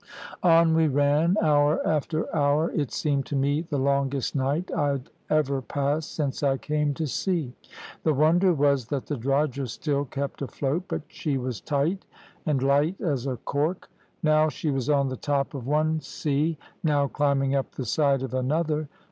On we ran hour after hour. It seemed to me the longest night I'd ever passed since I came to sea. The wonder was that the drogher still kept afloat; but she was tight and light as a cork now she was on the top of one sea, now climbing up the side of another.